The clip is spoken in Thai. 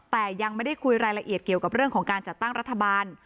แต่ยังไม่ได้คุยรายละเอียดเกี่ยวกับเรื่องของการจัดตั้งรัฐบาล